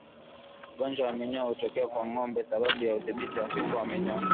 Ugonjwa wa minyoo hutokea kwa ngombe sababu ya udhibiti hafifu wa minyoo